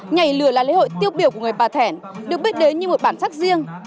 nhảy lửa là lễ hội tiêu biểu của người bà thẻn được biết đến như một bản sắc riêng